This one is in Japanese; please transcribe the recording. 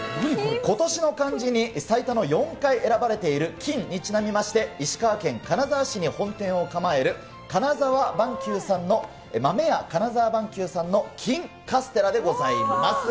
今年の漢字に最多の４回選ばれている金にちなみまして、石川県金沢市に本店を構える、金澤萬久さんの、まめや金澤萬久さんの金かすてらでございます。